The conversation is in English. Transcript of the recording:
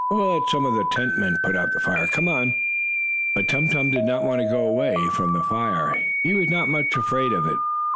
We'll let some of the tent men put out the fire. Come away!" But Tum Tum did not want to go away from the fire. He was not much afraid of it.